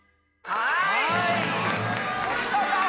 はい！